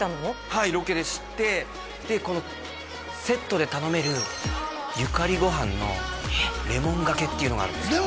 はいロケで知ってでこのセットで頼めるゆかりご飯のレモンがけっていうのがあるんですよ